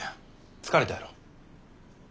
疲れたやろ。